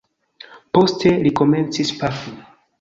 Poste li komencis pafi.